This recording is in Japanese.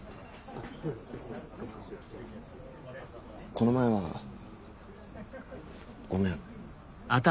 この前はごめん。